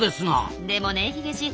でもねヒゲじい